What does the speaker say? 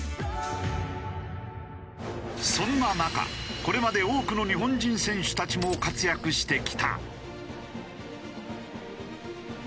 そんな中これまで多くの日本人選手たちも活躍してきた。